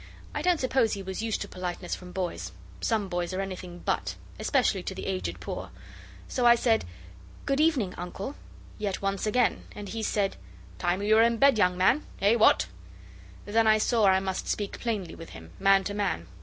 I don't suppose he was used to politeness from boys some boys are anything but especially to the Aged Poor. So I said, 'Good evening, Uncle,' yet once again. Then he said 'Time you were in bed, young man. Eh! what?' Then I saw I must speak plainly with him, man to man.